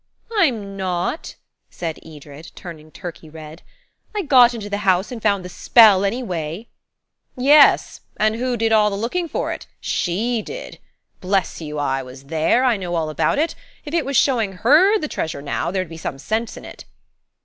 "I'm not," said Edred, turning turkey red. "I got into the house and found the spell, anyway." "Yes; and who did all the looking for it? She did. Bless you, I was there; I know all about it. If it was showing her the treasure, now, there'd be some sense in it."